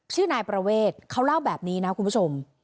ชื่อนายประเวทเขาเล่าแบบนี้นะคุณผู้ชม